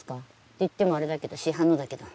って言ってもあれだけど市販のだけど。